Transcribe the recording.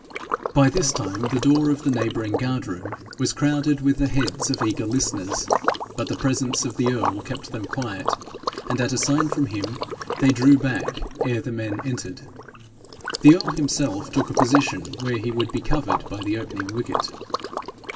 By this time the door of the neighbouring guard room was crowded with the heads of eager listeners, but the presence of the earl kept them quiet, and at a sign from him they drew back ere the men entered. The earl himself took a position where he would be covered by the opening wicket.